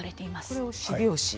これを四拍子。